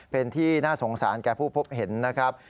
เป็นที่น่าสงสารแก่ผู้พบเห็นนะครับ